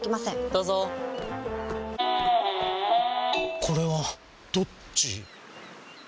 どうぞこれはどっち？